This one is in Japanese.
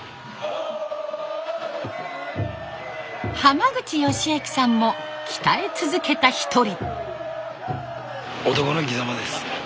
濱口吉朗さんも鍛え続けた一人。